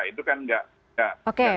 itu kan gak sehat lagi